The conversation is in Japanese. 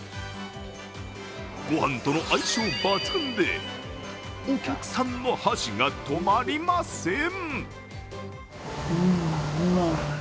ご飯との相性抜群でお客さんの箸が止まりません。